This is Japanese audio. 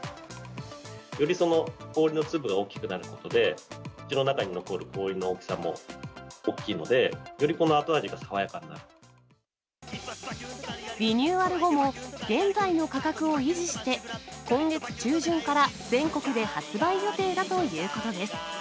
より氷の粒が大きくなることで、口の中に残る氷の大きさも大きいので、より、リニューアル後も、現在の価格を維持して、今月中旬から全国で発売予定だということです。